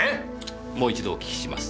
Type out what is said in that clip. もう一度お聞きします。